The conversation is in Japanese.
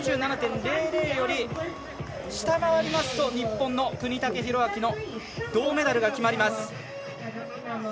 ７７．００より下回りますと日本の國武大晃の銅メダルが決まります。